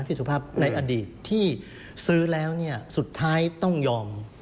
พี่สุภาพในอดีตที่ซื้อแล้วสุดท้ายต้องยอม